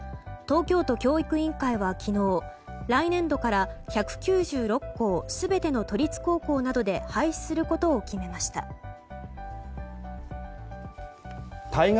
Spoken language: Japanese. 東京都教育委員会は昨日来年度から１９６校全ての都立高校などで廃止することを決めました。